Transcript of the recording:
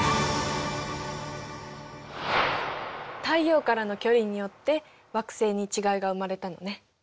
太陽からの距離によって惑星に違いが生まれたのね。